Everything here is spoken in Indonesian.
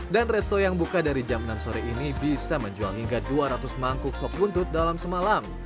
dan resto yang buka dari jam enam sore ini bisa menjual hingga dua ratus mangkuk sop buntut dalam semalam